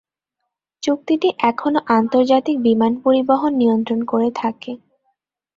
চুক্তিটি এখনো আন্তর্জাতিক বিমান পরিবহন নিয়ন্ত্রণ করে থাকে।